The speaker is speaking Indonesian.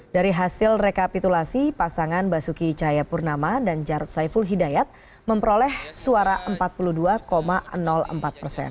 dari hasil rekapitulasi pasangan basuki cahayapurnama dan jarod saiful hidayat memperoleh suara empat puluh dua empat persen